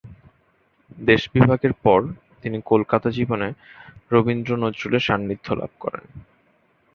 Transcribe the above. দেশ বিভাগের পর তিনি কলকাতা জীবনে রবীন্দ্র-নজরুলের সান্নিধ্য লাভ করেন।